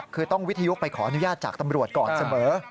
คือต้องวิทยุไปขออนุญาตจากตำรวจก่อนเสมอ